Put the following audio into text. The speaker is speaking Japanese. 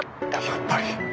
やっぱり。